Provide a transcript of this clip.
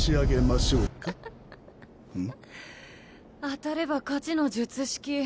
当たれば勝ちの術式。